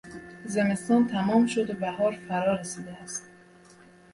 زمستان تمام شد و بهار فرا رسیده است.